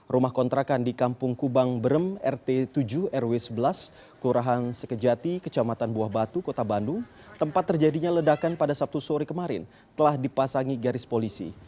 rumah kontrakan di kampung kubang berem rt tujuh rw sebelas kelurahan sekejati kecamatan buah batu kota bandung tempat terjadinya ledakan pada sabtu sore kemarin telah dipasangi garis polisi